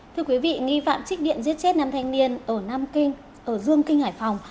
thưa quý vị nghi phạm trích điện giết chết năm thanh niên ở nam kinh ở dương kinh hải phòng